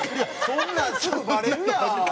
そんなんすぐバレるやん！